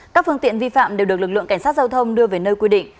các phương tiện vi phạm đều được lực lượng cảnh sát giao thông đưa về nơi quy định